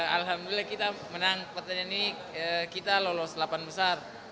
alhamdulillah kita menang pertandingan ini kita lolos delapan besar